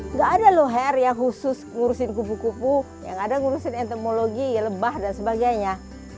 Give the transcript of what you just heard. nggak ada loher yang khusus ngurusin kupu kupu yang ada ngurusin entemologi lebah dan sebagainya